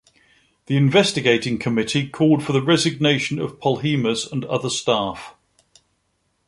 The investigating committee called for the resignation of Polhemus and other staff.